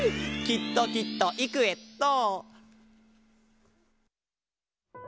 きっときっといくエット！